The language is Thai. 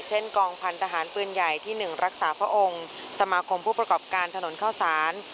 กองพันธหารปืนใหญ่ที่๑รักษาพระองค์สมาคมผู้ประกอบการถนนเข้าสาร